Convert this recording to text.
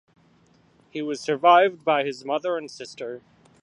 He was survived by his mother and sister.